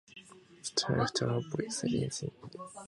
The town, after a plebiscite, changed its name into Cisterna di Roma.